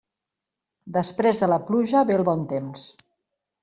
Després de la pluja ve el bon temps.